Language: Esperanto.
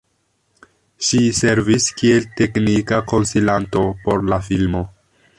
Ŝi servis kiel teknika konsilanto por la filmo.